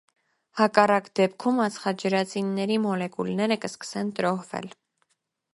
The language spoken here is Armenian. Հակառակ դեպքում ածխաջրածինների մոլեկուլները կսկսեն տրոհվել։